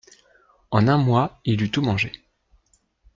En un mois, il eut tout mangé.